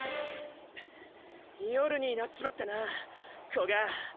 夜になっちまったな古賀。